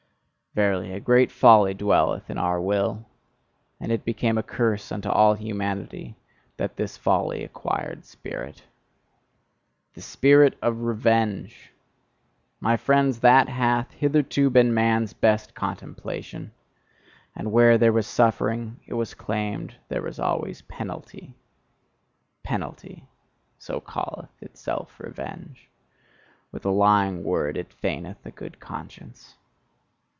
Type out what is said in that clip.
Verily, a great folly dwelleth in our Will; and it became a curse unto all humanity, that this folly acquired spirit! THE SPIRIT OF REVENGE: my friends, that hath hitherto been man's best contemplation; and where there was suffering, it was claimed there was always penalty. "Penalty," so calleth itself revenge. With a lying word it feigneth a good conscience.